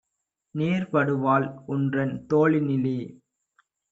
நேர்படுவாள் உன்றன் தோளினிலே!